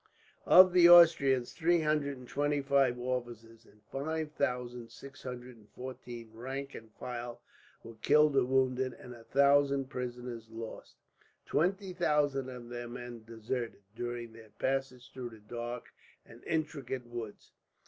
Of the Austrians, three hundred and twenty five officers and five thousand six hundred and fourteen rank and file were killed or wounded, and a thousand prisoners lost. Twenty thousand of their men deserted, during their passage through the dark and intricate woods.